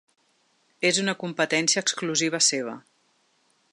És una competència exclusiva seva.